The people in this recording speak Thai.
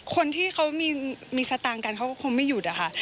คนที่เขามีสตางค์กันเขาก็คงไม่หยุดอะค่ะ